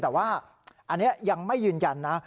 แต่ว่าอันนี้ยังไม่ยืนยันนะ